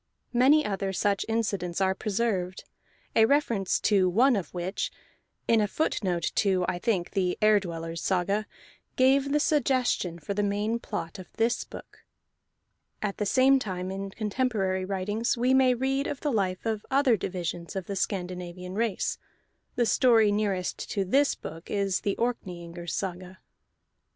Many other such incidents are preserved, a reference to one of which (in a footnote to I think the Ere Dwellers' Saga) gave the suggestion for the main plot of this book. At the same time, in contemporary writings, we may read of the life of other divisions of the Scandinavian race; the story nearest to this book is the Orkneyingers' Saga.